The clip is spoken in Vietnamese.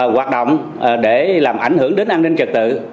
hoạt động để làm ảnh hưởng đến an ninh trật tự